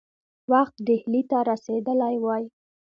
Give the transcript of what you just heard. وخت ډهلي ته رسېدلی وای.